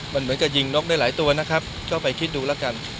มันเหมือนกับยิงนกได้หลายตัวนะครับก็ไปคิดดูแล้วกัน